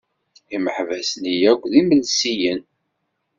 Imeḥbas-nni yakk d imelsiyen.